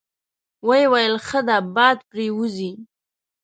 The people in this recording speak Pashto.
ویې ویل: ښه ده، باد پرې وځي.